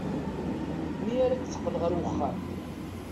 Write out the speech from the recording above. Mi ara d-teqqel ɣer uxxam.